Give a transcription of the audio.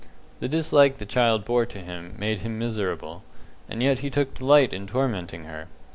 The dislike the child bore to him made him miserable, and yet he took delight in tormenting her.